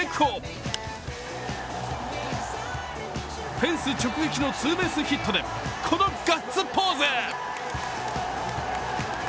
フェンス直撃のツーベースヒットで、このガッツポーズ。